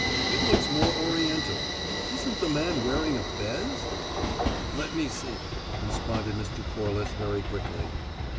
"It looks more oriental. Isn't the man wearing a fez?" "Let me see," responded Mr. Corliss very quickly.